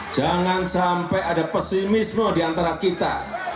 jangan sampai ada pesimismo di antara kita